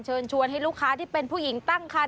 เชิญชวนให้ลูกค้าที่เป็นผู้หญิงตั้งคัน